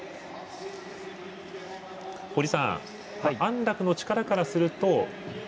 堀さん安楽宙斗の力からすると。